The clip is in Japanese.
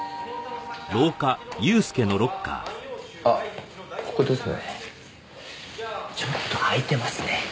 あっここですね。